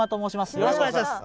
よろしくお願いします。